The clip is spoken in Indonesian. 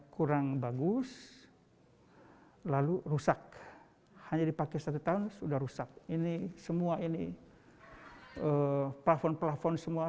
kurang bagus lalu rusak hanya dipakai satu tahun sudah rusak ini semua ini plafon plafon semua